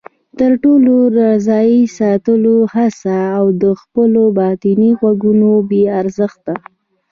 د ټولو د راضي ساتلو حڅه او د خپلو باطني غږونو بې ارزښته